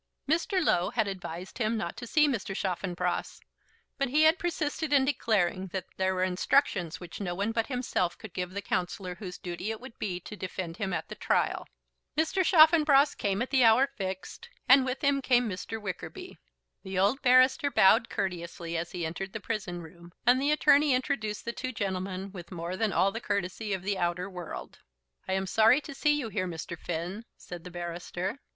Mr. Low had advised him not to see Mr. Chaffanbrass; but he had persisted in declaring that there were instructions which no one but himself could give to the counsellor whose duty it would be to defend him at the trial. Mr. Chaffanbrass came at the hour fixed, and with him came Mr. Wickerby. The old barrister bowed courteously as he entered the prison room, and the attorney introduced the two gentlemen with more than all the courtesy of the outer world. "I am sorry to see you here, Mr. Finn," said the barrister.